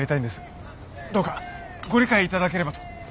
どうかご理解頂ければと。